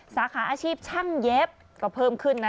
สาขาอาชีพช่างเย็บก็เพิ่มขึ้นนะ